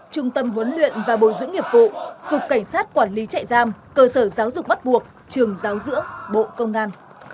trung tâm huấn luyện và bồi dưỡng nghiệp vụ cục cảnh sát quản lý chạy giam cơ sở giáo dục bắt buộc trường giáo dưỡng bộ công an